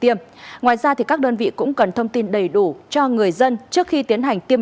tiêm ngoài ra các đơn vị cũng cần thông tin đầy đủ cho người dân trước khi tiến hành tiêm